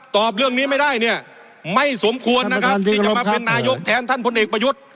ตอบเรื่องนี้ไม่ได้เนี่ยไม่สมควรนะครับที่จะมาเป็นนายกแทนท่านพลเอกประยุทธ์